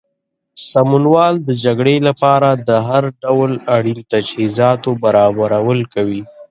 سمونوال د جګړې لپاره د هر ډول اړین تجهیزاتو برابرول کوي.